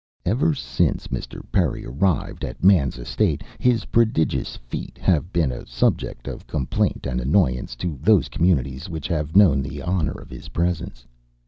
Ever since Mr. Perry arrived at man's estate his prodigious feet have been a subject of complaint and annoyance to those communities which have known the honor of his presence.